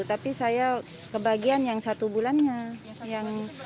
tapi saya kebagian yang satu bulannya